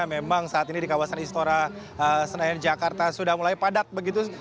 memang saat ini di kawasan istora senayan jakarta sudah mulai padat begitu